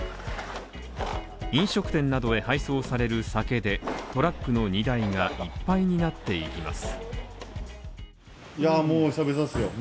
飲食店などへ配送される酒でトラックの荷台がいっぱいになっています。